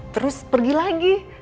terus pergi lagi